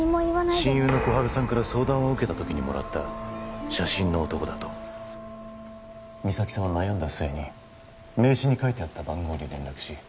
親友の心春さんから相談を受けたときにもらった写真の男だと実咲さんは悩んだ末に名刺に書いてあった番号に連絡し